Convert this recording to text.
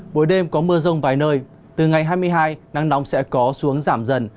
buổi đêm có mưa rông vài nơi từ ngày hai mươi hai nắng nóng sẽ có xuống giảm dần